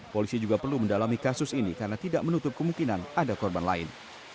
polisi juga perlu mendalami kasus ini karena tidak menutup kemungkinan ada korban lain